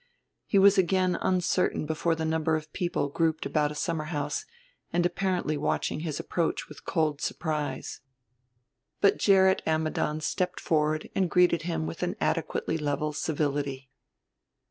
He was again uncertain before the number of people grouped about a summerhouse and apparently watching his approach with cold surprise. But Gerrit Ammidon stepped forward and greeted him with an adequately level civility.